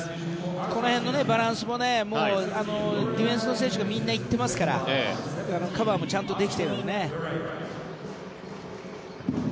ここら辺のバランスもディフェンスの選手がみんな行っていますからカバーもちゃんとできているよね。